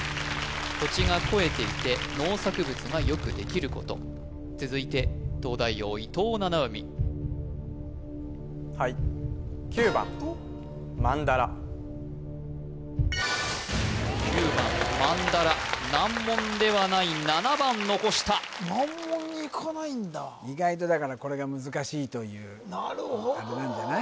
土地が肥えていて農作物がよくできること続いて東大王伊藤七海はい９番まんだら難問ではない７番残した難問にいかないんだ意外とだからこれが難しいというあれなんじゃない？